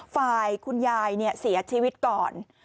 ฝ่ายคุณยายเสียชีวิตก่อน